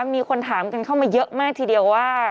มีคนถามกันเข้ามาเยอะมากทีเดียวว่า